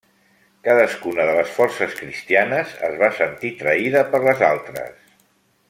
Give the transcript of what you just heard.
Cadascuna de les forces cristianes es va sentir traïda per les altres.